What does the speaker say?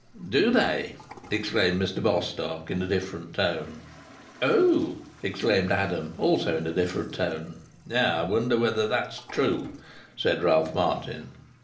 "Do they?" exclaimed Mr Bostock, in a different tone. "Oh!" exclaimed Adam, also in a different tone. "I wonder whether that's true!" said Ralph Martin.